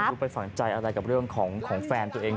ไปฝังใจอะไรกับเรื่องของแฟนตัวเอง